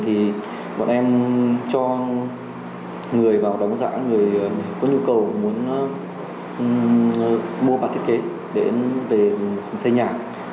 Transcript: thì bọn em cho người vào đóng dạng người có nhu cầu muốn mua bản thiết kế để về xây nhà